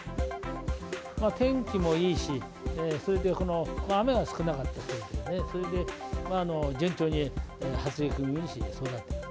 天気もいいし、それでこの雨が少なかったということでね、それで順調に発育いいし、よく育って。